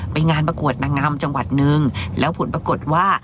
งานประกวดนางงามจังหวัดนึงแล้วผลปรากฏว่า